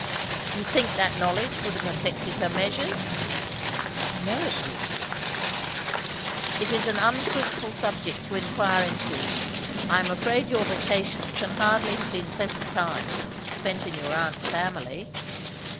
"You think that knowledge would have affected her measures?" "I know it would!" "It is an unfruitful subject to inquire into. I am afraid your vacations can hardly have been pleasant times, spent in your aunt's family?"